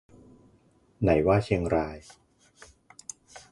ไหนว่าเชียงราย